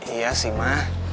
iya sih ma